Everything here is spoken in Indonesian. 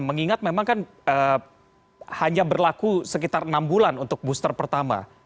mengingat memang kan hanya berlaku sekitar enam bulan untuk booster pertama